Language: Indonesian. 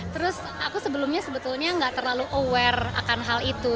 terus aku sebelumnya sebetulnya nggak terlalu aware akan hal itu